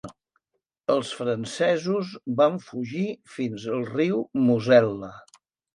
Els francesos van fugir fins al riu Mosel·la.